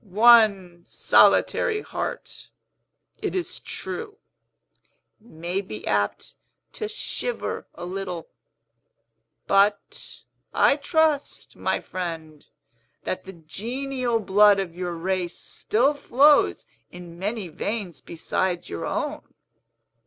One solitary heart, it is true, may be apt to shiver a little. But, I trust, my friend, that the genial blood of your race still flows in many veins besides your own?"